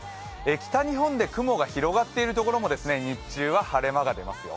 北日本で雲が広がっている所も日中は晴れ間が出ますよ。